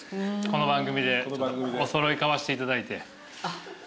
この番組でお揃い買わせていただいて。